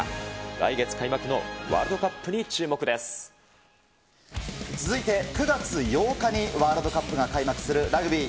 来月開幕のワールドカップに注目続いて９月８日にワールドカップが開幕するラグビー。